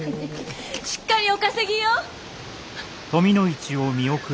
しっかりお稼ぎよ！